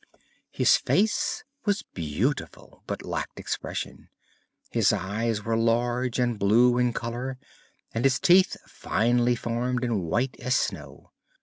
His face was beautiful, but lacked expression. His eyes were large and blue in color and his teeth finely formed and white as snow.